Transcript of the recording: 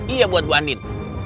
iya buat bu andin